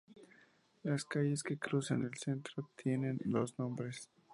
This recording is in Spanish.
Las calles que cruzan el centro, tienen dos nombres.